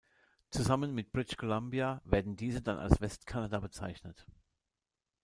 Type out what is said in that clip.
Zusammen mit British Columbia werden diese dann als Westkanada bezeichnet.